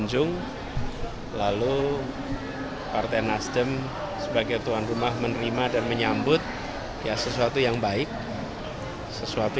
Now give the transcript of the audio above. jangan lupa like share dan subscribe channel ini untuk dapat info terbaru